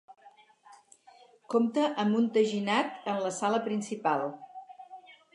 Compta amb un teginat en la sala principal.